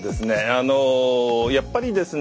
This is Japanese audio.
あのやっぱりですね